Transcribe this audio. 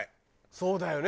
そうだよね。